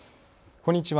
こんにちは。